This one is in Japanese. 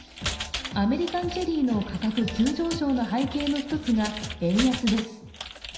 アメリカンチェリーの価格急上昇の背景の一つが、円安です。